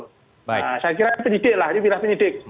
saya kira penyidik lah ini pilihan penyidik